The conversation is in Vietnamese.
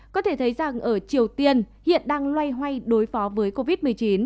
có thể thấy rằng ở triều tiên hiện đang loay hoay đối phó với covid một mươi chín